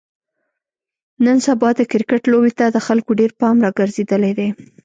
نن سبا د کرکټ لوبې ته د خلکو ډېر پام راگرځېدلی دی.